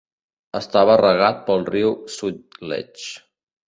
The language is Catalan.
Estava regat pel riu Sutlej.